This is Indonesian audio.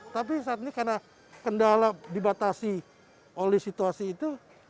tapi saat ini karena kendala dibatasi oleh situasi itu